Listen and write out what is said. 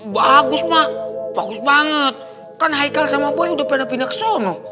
bagus mak bagus banget kan haikal sama boy udah pindah pindah kesana